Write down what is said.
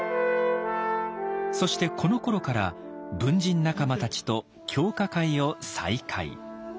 そしてこのころから文人仲間たちと狂歌会を再開。